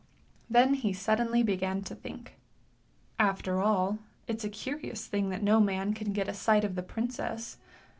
Then he suddenly began to think: After all, it's a curious thing that no man can get a sight of the princess